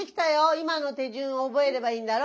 今の手順を覚えればいいんだろ？